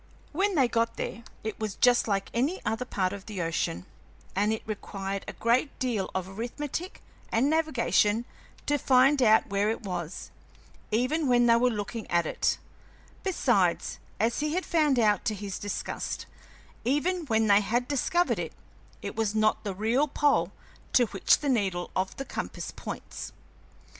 When they got there, it was just like any other part of the ocean, and it required a great deal of arithmetic and navigation to find out where it was, even when they were looking at it; besides, as he had found out to his disgust, even when they had discovered it, it was not the real pole to which the needle of the compass points.